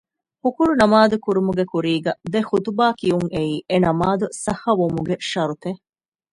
ހުކުރު ނަމާދު ކުރުމުގެ ކުރީގައި ދެ ޚުޠުބާ ކިޔުން އެއީ އެ ނަމާދު ޞައްޙަވުމުގެ ޝަރުޠެއް